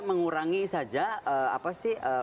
mengurangi saja apa sih